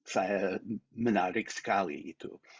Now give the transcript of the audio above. saya menarik sekali itu